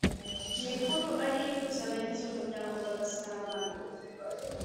mikuru ari yo ihuza abagize umuryango bagasabana